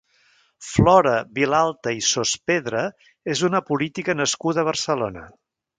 Flora Vilalta i Sospedra és una política nascuda a Barcelona.